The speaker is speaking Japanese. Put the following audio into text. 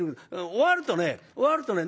終わるとね終わるとね何だろう